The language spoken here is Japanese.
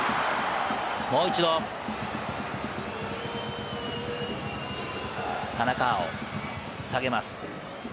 もう一度、田中碧、さげます。